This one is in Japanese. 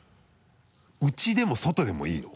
内でも外でもいいの？